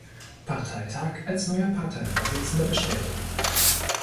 Parteitag als neuer Parteivorsitzender bestätigt.